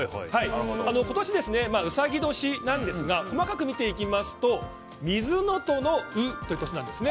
今年、うさぎ年なんですが細かく見ていきますと癸卯という年なんですね。